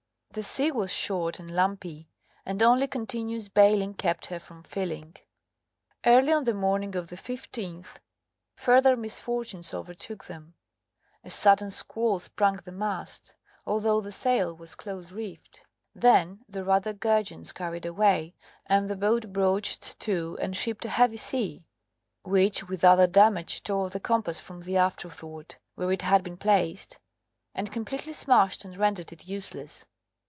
The sea was short and lumpy, and only continuous bailing kept her from filling. Early on the morning of the 15th further misfortunes overtook them; a sudden squall sprung the mast, although the sail was close reefed. Then the rudder gudgeons carried away, and the boat broached to and shipped a heavy sea, which with other damage tore the compass from the after thwart, where it had been placed, and completely smashed and rendered it useless.